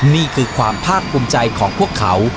นี่คือความภาพกลุ้มใจของพวกเขา